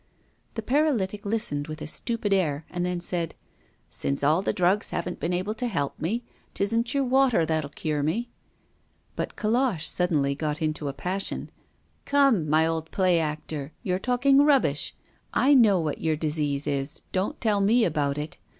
The paralytic listened with a stupid air, and then said: "Since all the drugs haven't been able to help me, 'tisn't your water that'll cure me." But Colosse suddenly got into a passion. "Come, my old play actor, you're talking rubbish. I know what your disease is don't tell me about it!